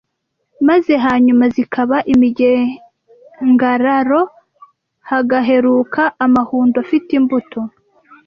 maze hanyuma zikaba imigengararo, hagaheruka amahundo afite imbuto